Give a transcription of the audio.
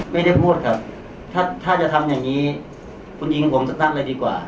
ไม่ได้พูดครับถ้าจะทำอย่างนี้คุณยิงผมจะตั้งเลยดีกว่า